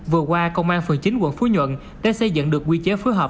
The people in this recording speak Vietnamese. vừa qua công an phường chín quận phú nhuận đã xây dựng được quy chế phối hợp